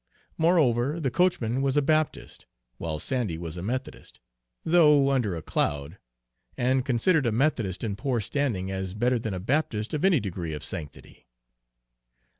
Moreover, the coachman was a Baptist, while Sandy was a Methodist, though under a cloud, and considered a Methodist in poor standing as better than a Baptist of any degree of sanctity.